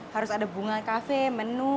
harus ada bunga kafe menu